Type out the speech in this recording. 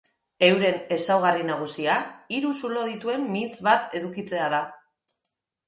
Euren ezaugarri nagusia hiru zulo dituen mintz bat edukitzea da.